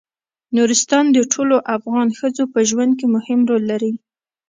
نورستان د ټولو افغان ښځو په ژوند کې مهم رول لري.